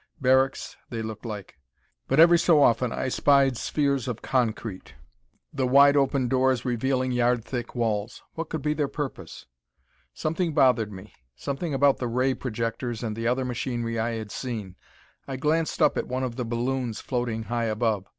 Barracks, they looked like. But, every so often I spied spheres of concrete, the wide open doors revealing yard thick walls. What could be their purpose? Something bothered me. Something about the ray projectors and the other machinery I had seen. I glanced up at one of the balloons floating high above.